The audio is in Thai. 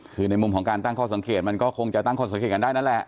คือในมุมของการตั้งข้อสังเกตมันก็คงจะตั้งข้อสังเกตกันได้นั่นแหละ